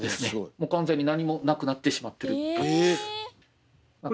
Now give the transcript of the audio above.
もう完全に何もなくなってしまってる感じです。